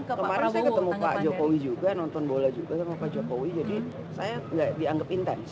kemarin saya ketemu pak jokowi juga nonton bola juga sama pak jokowi jadi saya nggak dianggap intens